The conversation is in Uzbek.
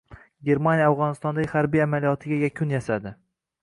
Germaniya Afg‘onistondagi harbiy amaliyotiga yakun yasadi